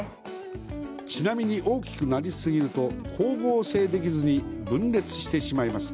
ちなみに、大きくなりすぎると光合成できずに分裂してしまいます。